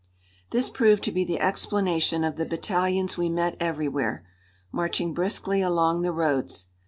This proved to be the explanation of the battalions we met everywhere, marching briskly along the roads.